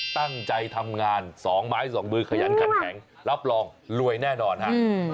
ตั้งใจทำงาน๒ไม้๒มือขยันขันแข็งรับรองรวยแน่นอนฮะ